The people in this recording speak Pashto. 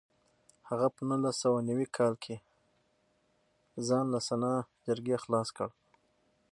هغه په نولس سوه نوي کال کې ځان له سنا جرګې خلاص کړ.